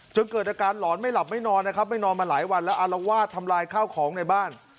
จนเกิดอาการหลอนไม่หลับไม่นอนนะครับไม่นอนมาหลายวันแล้วอารวาสทำลายข้าวของในบ้าน